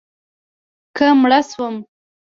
که مړه شوم